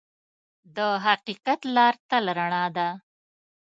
د حقیقت لار تل رڼا ده.